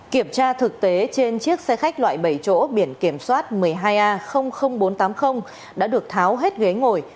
kiểm tra thực tế trên chiếc xe khách loại bảy chỗ biển kiểm soát một mươi hai a bốn trăm tám mươi đã được tháo hết ghế ngồi